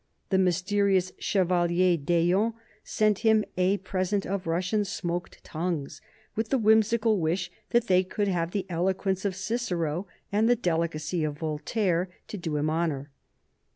The mysterious Chevalier d'Eon sent him a present of Russian smoked tongues, with the whimsical wish that they could have the eloquence of Cicero, and the delicacy of Voltaire, to do him honor.